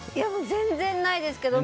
全然ないですけど。